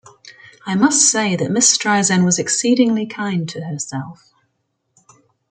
I must say that Miss Streisand was exceedingly kind to herself.